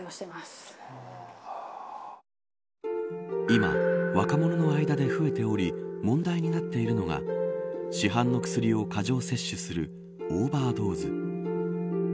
今、若者の間で増えており問題になっているのが市販の薬を過剰摂取するオーバードーズ。